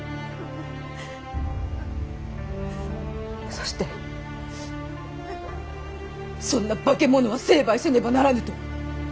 そしてそんな化け物は成敗せねばならぬと。